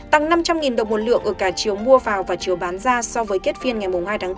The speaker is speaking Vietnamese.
tăng năm trăm linh đồng một lượng ở cả chiều mua vào và chiều bán ra so với kết phiên ngày hai tháng tám